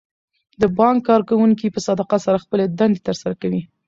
د بانک کارکوونکي په صداقت سره خپلې دندې ترسره کوي.